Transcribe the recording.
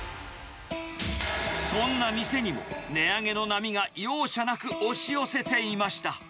そんな店にも、値上げの波が容赦なく押し寄せていました。